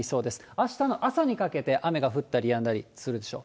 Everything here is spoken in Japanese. あしたの朝にかけて雨が降ったりやんだりするでしょう。